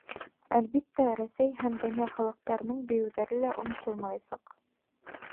Әлбиттә, Рәсәй һәм донъя халыҡтарының бейеүҙәре лә онотолмаясаҡ.